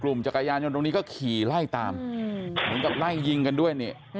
กลุ่มจักรยานยนต์ตรงนี้ก็ขี่ไล่ตามไล่ยิงกันด้วย